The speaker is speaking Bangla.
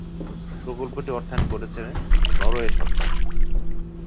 প্রকল্পটি অর্থায়ন করেছে নরওয়ে সরকার।